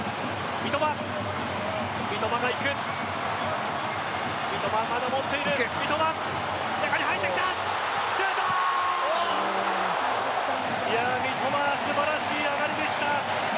三笘、素晴らしい上がりでした。